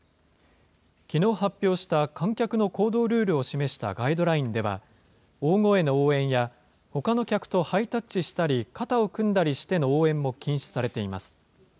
きのう発表した観客の行動ルールを示したガイドラインでは、大声の応援や、ほかの客とハイタッチしたり肩を組んだりしての応援も禁止されています。